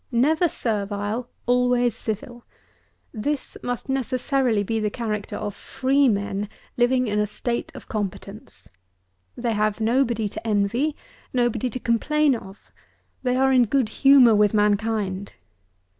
Never servile; always civil. This must necessarily be the character of freemen living in a state of competence. They have nobody to envy; nobody to complain of; they are in good humour with mankind.